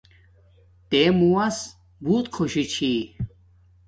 تے مووس بوتک خوشی چھی